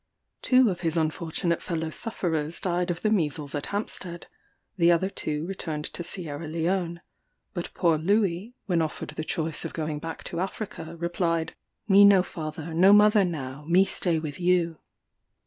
Two of his unfortunate fellow sufferers died of the measles at Hampstead; the other two returned to Sierra Leone; but poor Louis, when offered the choice of going back to Africa, replied, "Me no father, no mother now; me stay with you."